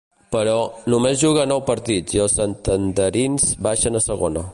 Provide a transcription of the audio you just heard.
Però, només juga nou partits i els santanderins baixen a Segona.